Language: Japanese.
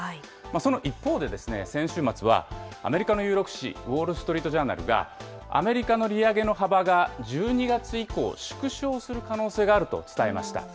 その一方で、先週末は、アメリカの有力紙、ウォール・ストリート・ジャーナルがアメリカの利上げの幅が１２月以降縮小する可能性があると伝えました。